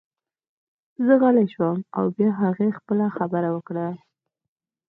زه غلی شوم او بیا هغې خپله خبره وکړه